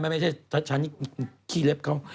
ไม่ใช่ชัดฉันนี่ขี้เล็บเขา